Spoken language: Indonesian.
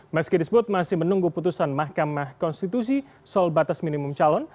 meski disebut masih menunggu putusan mahkamah konstitusi soal batas minimum calon